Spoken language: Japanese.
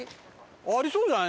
ありそうじゃない？